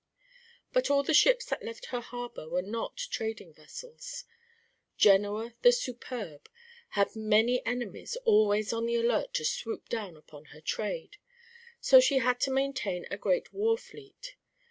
But all the ships that left her harbor were not trading vessels. Genoa the Superb had many enemies always on the alert to swoop down upon her trade. So she had to maintain a great war fleet.